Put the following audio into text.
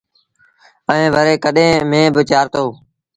ائيٚݩ وري ڪڏهيݩ ميݩهݩ با چآرتو۔